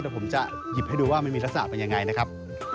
เดี๋ยวผมจะหยิบให้ดูว่ามันมีลักษณะเป็นยังไงนะครับ